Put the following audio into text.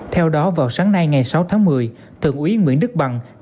theo đó vào sáng nay ngày sáu tháng một mươi thượng úy nguyễn đức bằng